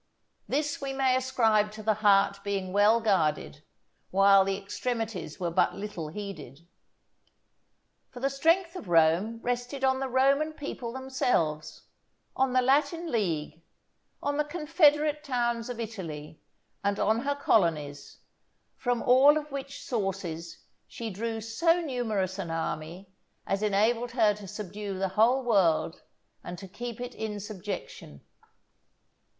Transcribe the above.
This we may ascribe to the heart being well guarded, while the extremities were but little heeded. For the strength of Rome rested on the Roman people themselves, on the Latin league, on the confederate towns of Italy, and on her colonies, from all of which sources she drew so numerous an army, as enabled her to subdue the whole world and to keep it in subjection.